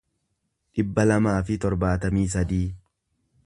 dhibba lamaa fi torbaatamii sadii